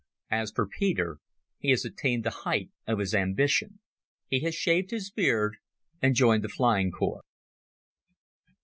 As for Peter, he has attained the height of his ambition. He has shaved his beard and joined the Flying Corps.